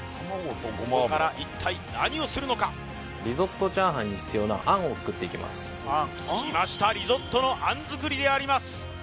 ここから一体何をするのかリゾット炒飯に必要な餡を作っていきますきましたリゾットの餡作りであります